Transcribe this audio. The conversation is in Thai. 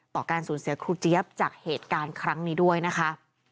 การสูญเสียครูเจี๊ยบจากเหตุการณ์ครั้งนี้ด้วยนะคะ